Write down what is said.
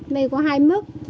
mình có hai mức